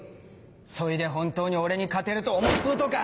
そいで本当に俺に勝てると思っとうとか⁉